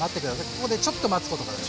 ここでちょっと待つことが大事。